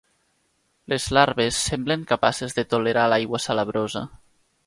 Les larves semblen capaces de tolerar l'aigua salabrosa.